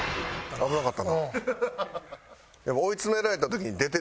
危なかった。